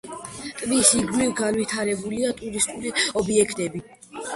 ტბის ირგვლივ განვითარებულია ტურისტული ობიექტები.